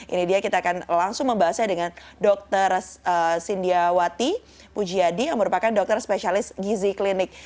ini dia kita akan langsung membahasnya dengan dr sindiawati pujiadi yang merupakan dokter spesialis gizi klinik